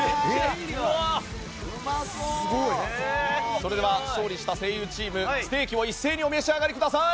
それでは勝利した声優チームステーキを一斉にお召し上がりください。